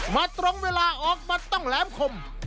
มาตรงเวลาออกมาต้องแหลมคม